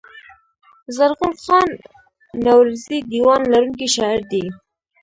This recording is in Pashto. زرغون خان نورزى دېوان لرونکی شاعر دﺉ.